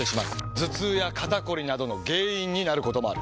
頭痛や肩こりなどの原因になることもある。